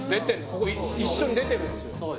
ここ一緒に出てるんすよ